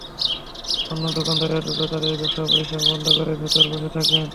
অন্য দোকানিরা দ্রুত তাঁদের ব্যবসা প্রতিষ্ঠান বন্ধ করে ভেতরে বসে থাকেন।